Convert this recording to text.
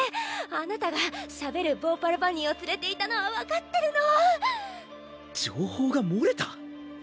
あなたがしゃべるヴォーパルバニーを連れていたのは分かってるの。